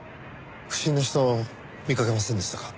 不審な人見かけませんでしたか？